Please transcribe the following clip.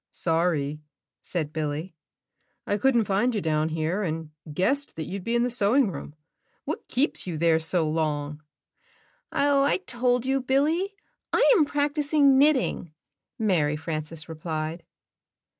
''Sorry," said Billy. ''I couldn't find you down here and guessed that you'd be in the sewing room. What keeps you there so long? " ''Oh, I told you, BiUy — I am practicing knitting!" Mary Frances replied.